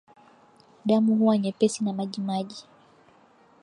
Damu huwa nyepesi na majimaji